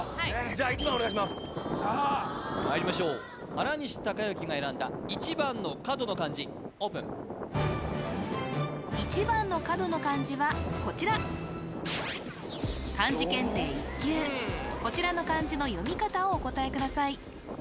じゃあさあまいりましょう原西孝幸が選んだ１番の角の漢字オープン１番の角の漢字はこちらおおこちらの漢字の読み方をお答えください